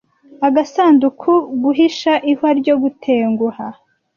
Agasanduku, guhisha ihwa ryo gutenguha,